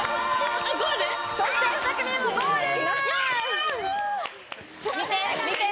そして二組目もゴール！